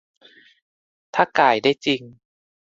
ถ้าก่ายได้จริง